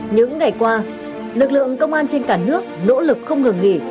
những ngày qua lực lượng công an trên cả nước nỗ lực không ngừng nghỉ